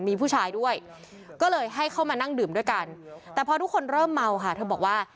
มีผู้ชายด้วยก็เลยให้เข้ามานั่งดื่มด้วยกันแต่พอทุกคนเริ่มเมาค่ะเธอบอกว่า